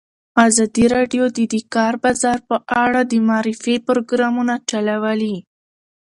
ازادي راډیو د د کار بازار په اړه د معارفې پروګرامونه چلولي.